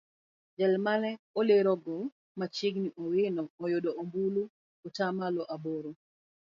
Jal mane olerogo machiegni Owino oyudo ombulu atamalo aboro.